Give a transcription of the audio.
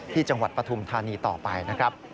ที่จังหวัดปฐุมธานีต่อไปนะครับ